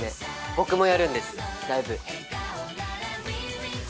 僕もやるんですライブ。